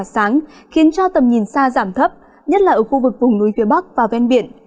sáng khiến cho tầm nhìn xa giảm thấp nhất là ở khu vực vùng núi phía bắc và ven biển